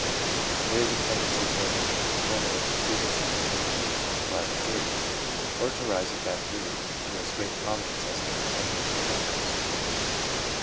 There is a tendency for them either to culminate in frequency between the years 25 and 30, or to rise at that period to as great prominence as during any of the later years.